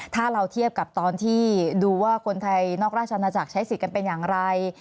ถ้าเราเทียบกับตอนที่ดูว่าคนไทยนอกราชนาจักรใช้สิทธิ์กันเป็นอย่างไร